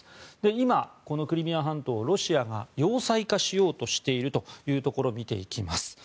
今、このクリミア半島をロシアが要塞化しようとしているというところを見ていきます。